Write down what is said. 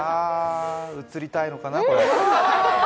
映りたいのかな？